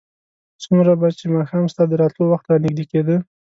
څومره به چې ماښام ستا د راتلو وخت رانږدې کېده.